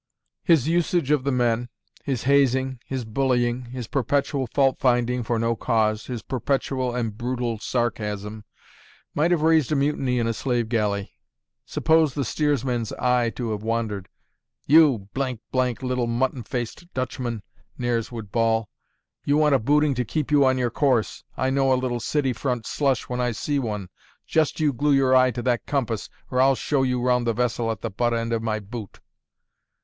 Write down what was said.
His usage of the men, his hazing, his bullying, his perpetual fault finding for no cause, his perpetual and brutal sarcasm, might have raised a mutiny in a slave galley. Suppose the steersman's eye to have wandered: "You ,, little, mutton faced Dutchman," Nares would bawl; "you want a booting to keep you on your course! I know a little city front slush when I see one. Just you glue your eye to that compass, or I'll show you round the vessel at the butt end of my boot."